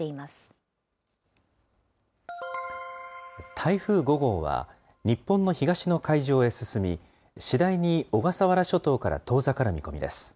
台風５号は、日本の東の海上へ進み、次第に小笠原諸島から遠ざかる見込みです。